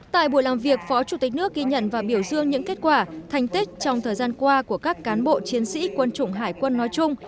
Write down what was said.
tại buổi làm việc phó chủ tịch nước ghi nhận và biểu dương những kết quả thành tích trong thời gian qua của các cán bộ chiến sĩ quân chủng hải quân nói chung